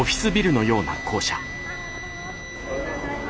おはようございます。